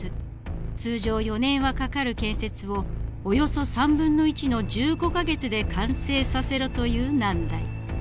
通常４年はかかる建設をおよそ３分の１の１５か月で完成させろという難題。